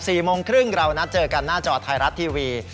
๔โมงครึ่งเรานัดเจอกันหน้าจอไทยรัฐทีวี